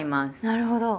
なるほど。